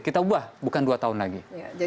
kita ubah bukan dua tahun lagi